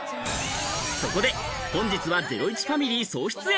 そこで本日はゼロイチファミリー総出演！